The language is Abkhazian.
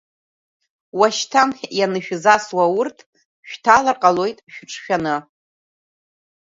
Уашьҭан ианышәзасуа аурҭ, шәҭалар ҟалоит шәыҿшәаны.